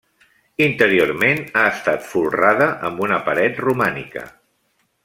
Interiorment ha estat folrada amb una paret romànica.